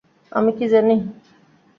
আমি কী জানি?